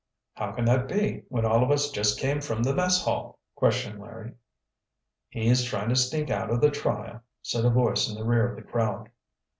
"How can that be, when all of us just came from the mess hall?" questioned Larry. "He's trying to sneak out of the trial," said a voice in the rear of the crowd.